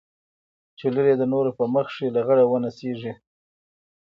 چې لور يې د نورو په مخ کښې لغړه ونڅېږي.